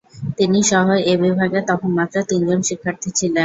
তিনিসহ এ বিভাগে তখন মাত্র তিনজন শিক্ষার্থী ছিলেন।